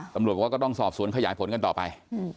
ตำรวจบอกว่าก็ต้องสอบสวนขยายผลกันต่อไป